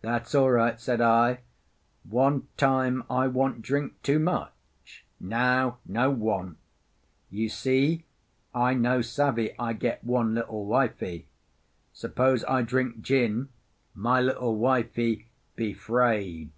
"That's all right," said I. "One time I want drink too much; now no want. You see, I no savvy I get one little wifie. Suppose I drink gin, my little wifie he 'fraid."